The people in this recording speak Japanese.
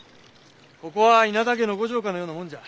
ここは稲田家の御城下のようなもんじゃ。